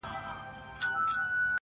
ناهيلی نه یم، بیا هم سوال کومه ولي، ولي.